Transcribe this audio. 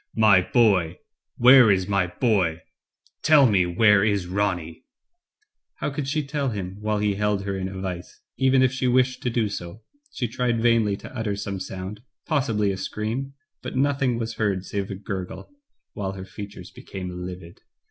'*My boy — where is my boy? Tell me, where is Ronny?" How could she tell him while he held her in a vise, even if she wished to do so. She tried vainly to utter some sound, possibly a scream, but nothing was heard save a gurgle, while her features became livid.